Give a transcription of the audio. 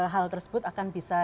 hal tersebut akan bisa